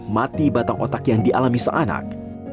mati batang otak yang dialami seanak